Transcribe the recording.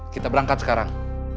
kita berangkat sekarang